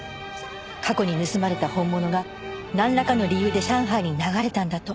過去に盗まれた本物がなんらかの理由で上海に流れたんだと。